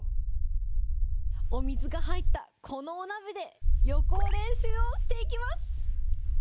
お水が入ったこのお鍋で、予行練習をしていきます。